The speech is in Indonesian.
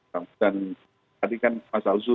dan tadi kan mas alzu